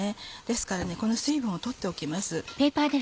ですからこの水分を取っておきます。